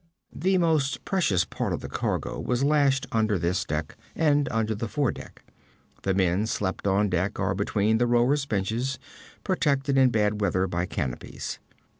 The most precious part of the cargo was lashed under this deck, and under the fore deck. The men slept on deck or between the rowers' benches, protected in bad weather by canopies.